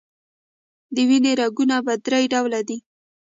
د وینې رګونه په دری ډوله دي.